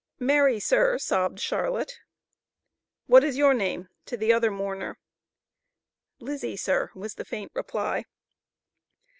"Mary, sir," sobbed Charlotte. "What is your name?" (to the other mourner) "Lizzie, sir," was the faint reply.